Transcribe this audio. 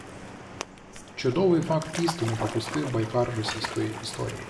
Чудовий факт-істину пропустив «байкар російської історії»